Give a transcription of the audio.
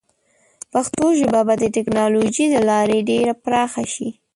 پښتو ژبه به د ټیکنالوجۍ له لارې ډېره پراخه شي.